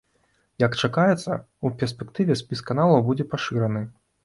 Як чакаецца, ў перспектыве спіс каналаў будзе пашыраны.